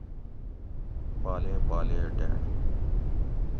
پالے پالے ڈینڈ